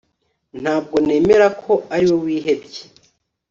Ntabwo nemera ko ari we wihebye